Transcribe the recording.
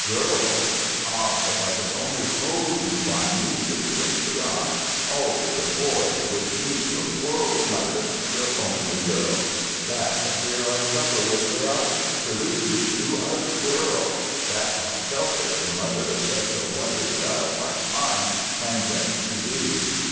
"'Girl!' Ah, if I could only hold you by me this way, Leon! Always a boy with me your poor old mother your only girl. That's a fear I suffer with, Leon to lose you to a girl! That's how selfish the mother of such a wonder child like mine can get to be."